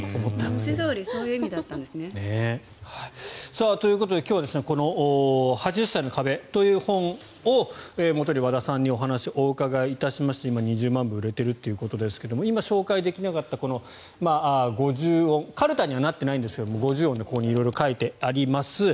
文字どおりそういう意味だったんですね。ということで今日はこの「８０歳の壁」という本をもとに和田さんにお話をお伺いしまして２０万部売れているということですが今、紹介できなかったこの５０音かるたにはなっていないですが５０音でここに色々書いてあります。